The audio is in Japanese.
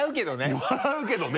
いや笑うけどね。